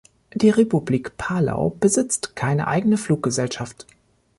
Die Republik Palau besitzt keine eigene Fluggesellschaft.